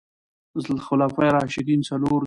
خلفاء راشدين څلور دي